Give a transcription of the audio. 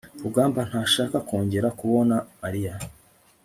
rugamba ntashaka kongera kubona mariya